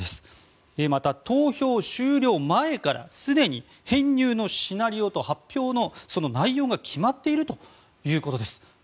また、投票終了前からすでに編入のシナリオと、発表の内容が決まっているということです。